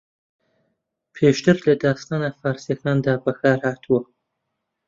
پێشتر لە داستانە فارسییەکاندا بەکارھاتوە